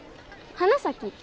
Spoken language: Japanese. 花咲？